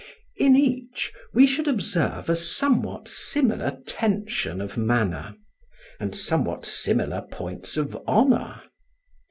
In each, we should observe a somewhat similar tension of manner, and somewhat similar points of honour.